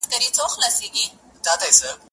o خوار په خپله خواري نه شرمېږي٫